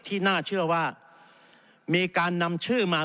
ที่น่าเชื่อว่ามีการนำชื่อมา